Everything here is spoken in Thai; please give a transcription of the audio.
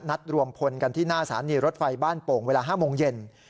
นัดรวมพลกันที่หน้าสถานีรถไฟบ้านโป่งเวลา๕โมงเย็น